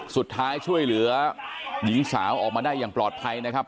สุดท้ายช่วยเหลือหญิงสาวออกมาได้อย่างปลอดภัยนะครับ